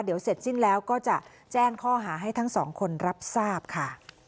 เดี๋ยวเสร็จสิ้นแล้วก็จะแจ้งข้อหาให้ทั้งสองคนรับทราบค่ะ